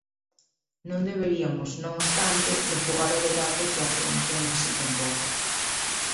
Non deberiamos, non obstante, refugar o debate que a afirmación en si comporta.